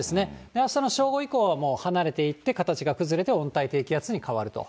あしたの正午以降はもう離れていって、形が崩れて温帯低気圧に変わると。